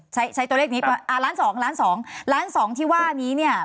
ใช้ใช้ตัวเลขนี้อ่าล้านสองล้านสองล้านสองที่ว่านี้เนี่ย